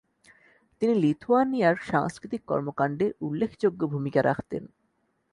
তিনি লিথুয়ানিয়ার সাংস্কৃতিক কর্মকাণ্ডে উল্লেখযোগ্য ভূমিকা রাখতেন।